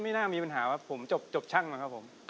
ไม่น่ามีปัญหาครับผมจบช่างมาครับผม